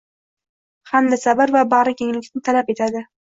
hamda sabr va... bag‘rikenglikni talab etadi.